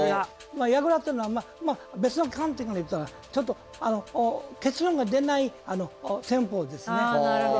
矢倉というのは別の観点から言ったらちょっと結論が出ない戦法ですね。